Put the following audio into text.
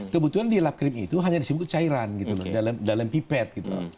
kebetulan di lapkrim itu hanya disebut cairan gitu dalam pipet